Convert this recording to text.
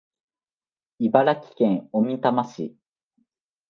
茨城県小美玉市